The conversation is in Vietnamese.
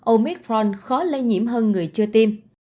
omicron khó lây nhiễm hơn người chưa tiêm